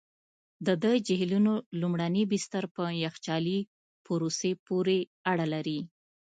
د دې جهیلونو لومړني بستر په یخچالي پروسې پوري اړه لري.